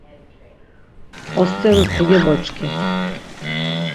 Osterus kogeboç̌ǩi.